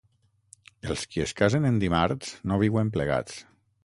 Els qui es casen en dimarts no viuen plegats.